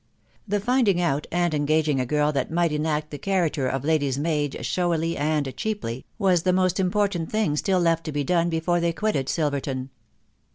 The finding out and engaging a gvil that might enact the character of lady's maid showily and cheaply, v?a» foe mw& TBE WIDOW BARN A BY. 81 important, thing still left to be done before they quitted Silver ton.